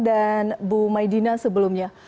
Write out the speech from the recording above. dan bu maidina sebelumnya